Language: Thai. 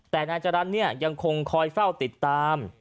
แต่นายจรันยังคงคอยเฝ้าติดตาม